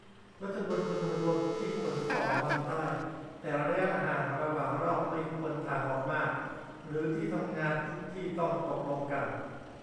ลดจำนวนคนรวมที่ขนต่อวันได้ แต่ระยะห่างระหว่างรอบไม่ควรถ่างออกมาก หรือที่ทำงานทุกที่ต้องตกลงกัน